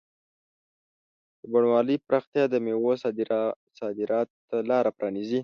د بڼوالۍ پراختیا د مېوو صادراتو ته لاره پرانیزي.